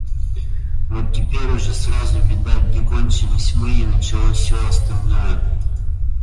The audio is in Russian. Вот теперь уже сразу видать, где кончились мы и началось всё остальное.